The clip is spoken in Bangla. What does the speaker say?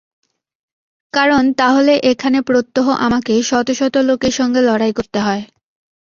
কারণ তাহলে এখানে প্রত্যহ আমাকে শত শত লোকের সঙ্গে লড়াই করতে হয়।